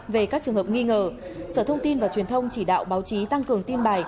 về các trường hợp nghi ngờ sở thông tin và truyền thông chỉ đạo báo chí tăng cường tin bài